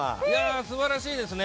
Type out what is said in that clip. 素晴らしいですね。